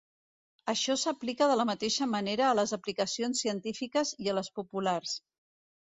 Això s'aplica de la mateixa manera a les aplicacions científiques i a les populars.